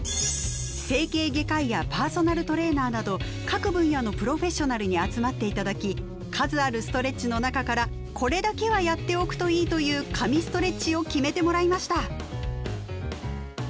各分野のプロフェッショナルに集まって頂き数あるストレッチの中から「これだけはやっておくといい」という「神ストレッチ」を決めてもらいました。